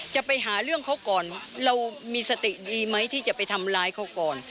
จะไปหาเรื่องเขาก่อนเรามีสติดีไหมที่จะไปทำร้ายเขาก่อน